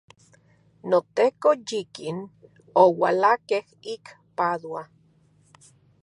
NoTeko, yikin oualakej ik Padua.